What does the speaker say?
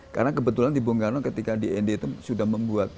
karena kebetulan di bung karno ketika di nd itu sudah membuat